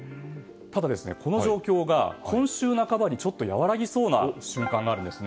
ただ、この状況が今週半ばにやわらぎそうな瞬間があるんです。